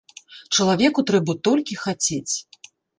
Чалавеку трэба толькі хацець.